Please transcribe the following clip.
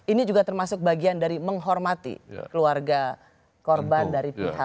ini juga termasuk bagian dari menghormati keluarga korban dari pihak